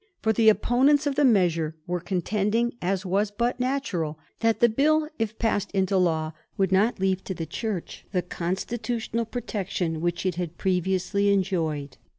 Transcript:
For the opponents of the measure were contending, as was but natural, that the Bill, if passed into law, would not leave to the Church the constitutional protection which it had previously enjoyed.